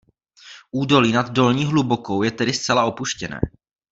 Údolí nad Dolní Hlubokou je tedy zcela opuštěné.